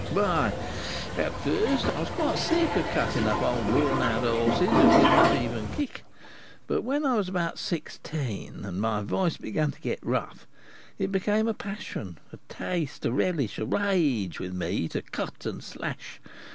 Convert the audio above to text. "Why, at first, I was quite sick of cutting up old worn out horses, who could not even kick; but when I was about sixteen, and my voice began to get rough, it became a passion a taste a relish a rage with me to cut and slash.